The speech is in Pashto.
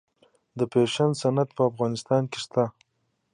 د فیشن صنعت په افغانستان کې شته؟